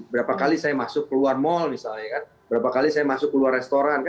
berapa kali saya masuk ke luar mall misalnya berapa kali saya masuk ke luar restoran